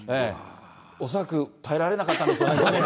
恐らく耐えられなかったんでしょうね。